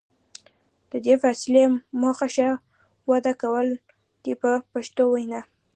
د دې فاصلې موخه ښه وده کول دي په پښتو وینا.